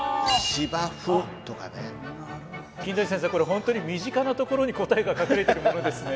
本当に身近なところに答えが隠れているものですね。